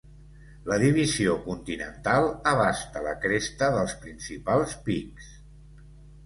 La Divisió Continental abasta la cresta dels principals pics.